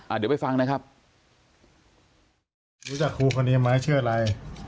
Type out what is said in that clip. เดี๋ยวไปฟังนะครับรู้จักครูคนนี้ไหมชื่ออะไร